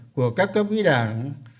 của các cấp ý đảng